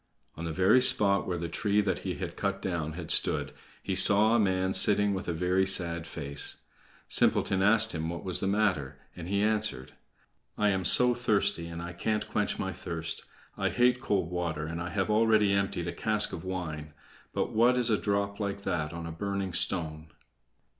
On the very spot where the tree that he had cut down had stood, he saw a man sitting with a very sad face. Simpleton asked him what was the matter, and he answered: "I am so thirsty, and I can't quench my thirst. I hate cold water, and I have already emptied a cask of wine; but what is a drop like that on a burning stone?"